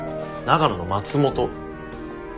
長野の松本。